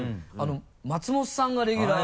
松本さんがレギュラー。